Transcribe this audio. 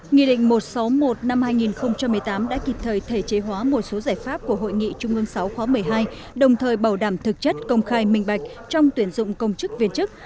nghị định một trăm sáu mươi một năm hai nghìn một mươi tám đã kịp thời thể chế hóa một số giải pháp của hội nghị trung ương sáu khóa một mươi hai đồng thời bảo đảm thực chất công khai minh bạch trong tuyển dụng công chức viên chức